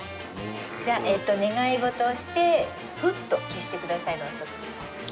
じゃあ願い事をしてフッと消してくださいろうそく。